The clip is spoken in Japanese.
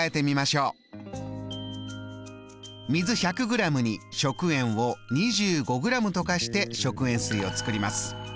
では水１００ｇに食塩を２５ｇ溶かして食塩水を作ります。